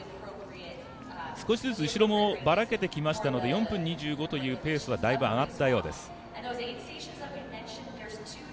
少しずつ後ろもばらけてきましたので４分２５というペースはだいぶ上がったようです。